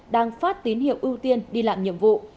đang phát tín hiệu ưu tiên đi làm nhiệm vụ